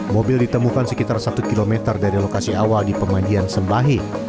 mobil ditemukan sekitar satu km dari lokasi awal di pemandian sembahe